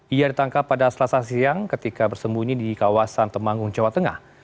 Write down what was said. ia ditangkap pada selasa siang ketika bersembunyi di kawasan temanggung jawa tengah